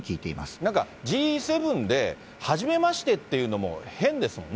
なんかＧ７ではじめましてっていうのも変ですもんね。